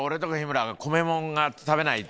米もん食べないと。